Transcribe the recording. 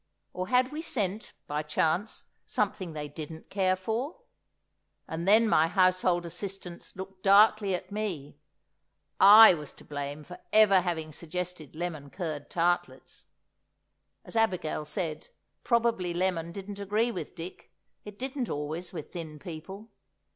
or, had we sent, by chance, something they didn't care for? And then my household assistants looked darkly at me; I was to blame for ever having suggested lemon curd tartlets. As Abigail said, probably lemon didn't agree with Dick, it didn't always with thin people.